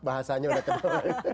bahasanya udah terlalu